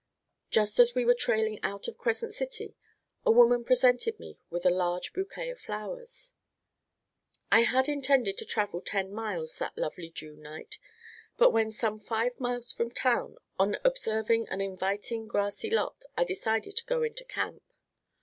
Just as we were trailing out of Crescent City, a woman presented me with a large bouquet of flowers. I had intended to travel ten miles that lovely June night, but when some five miles from town, on observing an inviting grassy lot, I decided to go into camp.